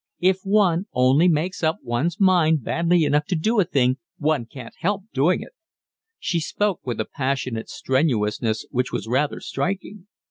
If one only makes up one's mind badly enough to do a thing one can't help doing it." She spoke with a passionate strenuousness which was rather striking.